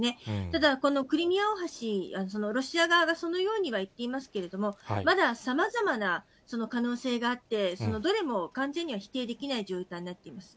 ただ、このクリミア大橋、ロシア側がそのようには言っていますけれども、まださまざまな可能性があって、そのどれも完全には否定できない状態になっています。